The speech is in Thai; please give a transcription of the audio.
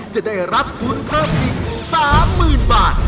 จะได้รับทุนเพิ่มอีก๓๐๐๐บาท